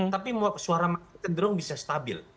tapi mau suara makin cenderung bisa setuju